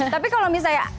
tapi kalau misalnya